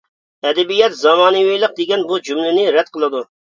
ئەدەبىيات زامانىۋىلىق دېگەن بۇ جۈملىنى رەت قىلىدۇ.